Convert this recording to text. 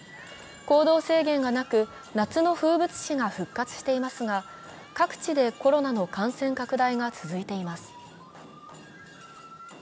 行動制限がなく、夏の風物詩が復活していますが各地でコロナの感染拡大が続いています。